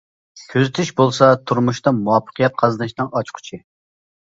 كۆزىتىش بولسا تۇرمۇشتا مۇۋەپپەقىيەت قازىنىشنىڭ ئاچقۇچى.